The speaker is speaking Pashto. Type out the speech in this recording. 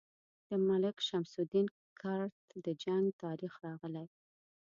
د ملک شمس الدین کرت د جنګ تاریخ راغلی.